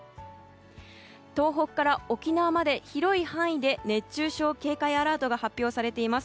東北から沖縄まで広い範囲で熱中症警戒アラートが発表されています。